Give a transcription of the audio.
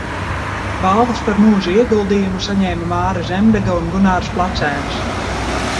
Balvas par mūža ieguldījumu saņēma Māra Zemdega un Gunārs Placēns.